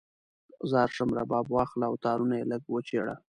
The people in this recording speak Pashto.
ځار شم، رباب واخله او تارونه یې لږ وچیړه